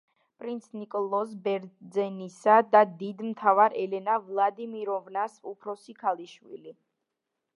პრინც ნიკოლოზ ბერძენისა და დიდ მთავარ ელენა ვლადიმიროვნას უფროსი ქალიშვილი.